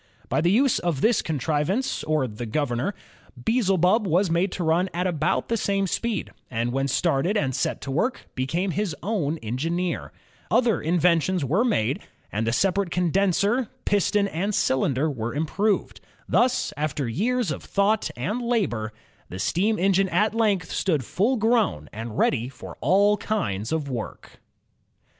By the use of this contrivance, or the governor, Beelzebub was made to run at about the watt's engine governor 20 INVENTIONS OF STE.Ui AND ELECTRIC POWER same speed, and when started and set to work, became his own engineer. Other inventions were made, and the separate con denser, piston, and cylinder were improved. Thus, after years of thought and labor, the steam engine at length stood full grown and ready for all kinds of work.